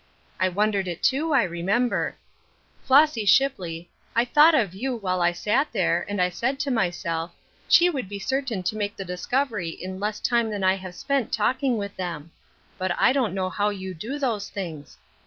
" I wondered it, too, I remember. Flossy Shipley, I thought of you while I sat there, and I said to myself, ' She would be cer tain to make the discovery in less time than I have spent talking with them.' But I don't know how you do those things.